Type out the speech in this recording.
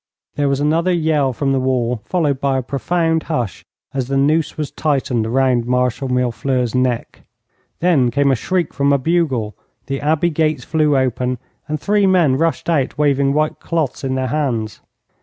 There was another yell from the wall, followed by a profound hush as the noose was tightened round Marshal Millefleurs' neck. Then came a shriek from a bugle, the Abbey gates flew open, and three men rushed out waving white cloths in their hands.